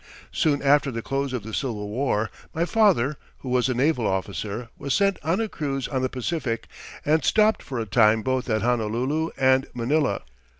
Soon after the close of the Civil War my father, who was a naval officer, was sent on a cruise on the Pacific and stopped for a time both at Honolulu and Manila.